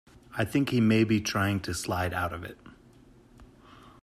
I think he may be trying to slide out of it.